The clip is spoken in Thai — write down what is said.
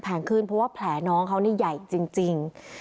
งขึ้นเพราะว่าแผลน้องเขานี่ใหญ่จริง